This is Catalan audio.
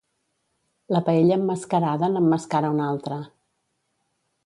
La paella emmascarada n'emmascara una altra.